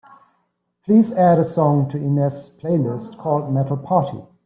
Please add a song to ines's playlist called Metal Party